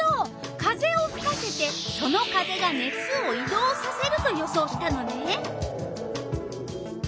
風をふかせてその風が熱をい動させると予想したのね。